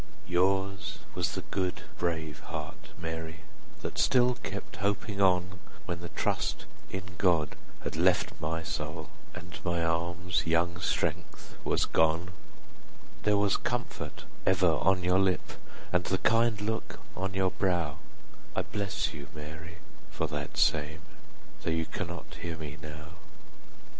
Yours was the good, brave heart, Mary, That still kept hoping on, When the trust in God had left my soul, 35 And my arm's young strength was gone: There was comfort ever on your lip, And the kind look on your brow— I bless you, Mary, for that same, Though you cannot hear me now.